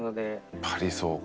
やっぱりそうか。